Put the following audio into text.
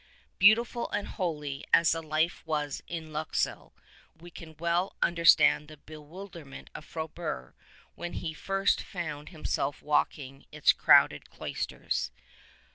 Beautiful and holy as the life was at Luxeuil, we can well understand the bewilderment of Frobert when he first found himself walking its crowded cloisters.